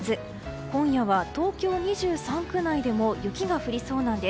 今夜は東京２３区内でも雪が降りそうなんです。